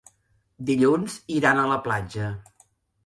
Dilluns iran a la platja.